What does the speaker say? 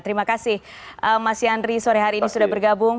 terima kasih mas yandri sore hari ini sudah bergabung